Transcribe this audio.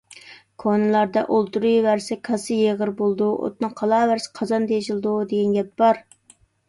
كونىلاردا: «ئولتۇرۇۋەرسە كاسا يېغىر بولىدۇ! ئوتنى قالاۋەرسە قازان تېشىلىدۇ» دېگەن گەپ بار.